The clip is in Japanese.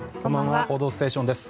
「報道ステーション」です。